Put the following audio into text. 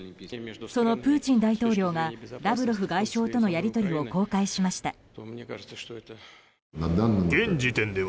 そのプーチン大統領がラブロフ外相とのやり取りを公開しました。